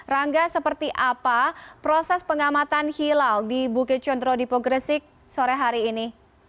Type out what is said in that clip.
rangga seperti apa proses pengamatan hilal di bukit condro dipo gresik sore hari ini